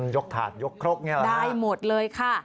ยกถาดยกครกอย่างนี้เหรอนะครับได้หมดเลยค่ะ